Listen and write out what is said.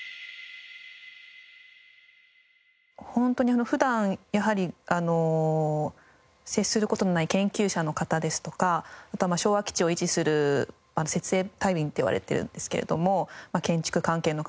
ホントに普段やはり接する事のない研究者の方ですとかあとは昭和基地を維持する設営隊員っていわれてるんですけれども建築関係の方。